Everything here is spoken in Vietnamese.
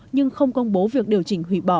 nhưng không công bố việc điều chỉnh hủy bỏ